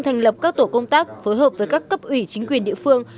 thành lập các tổ công tác phối hợp với các cấp ủy chính quyền địa phương